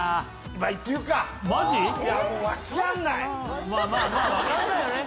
まあ分かんないよね。